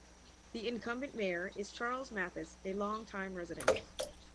The incumbent Mayor is Charles Mathis, a long time resident.